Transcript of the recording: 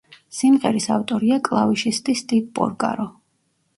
სიმღერის ავტორია კლავიშისტი სტივ პორკარო.